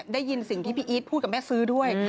ได้ยินสิ่งที่พี่อีทพูดกับแม่ซื้อด้วย